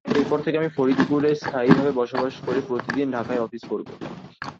এরপর থেকে আমি ফরিদপুরে স্থায়ীভাবে বসবাস করে প্রতিদিন ঢাকায় অফিস করব।